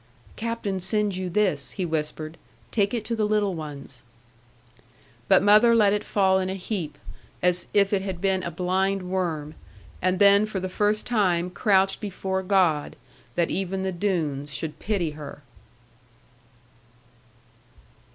'Captain sends you this,' he whispered; 'take it to the little ones.' But mother let it fall in a heap, as if it had been a blind worm; and then for the first time crouched before God, that even the Doones should pity her.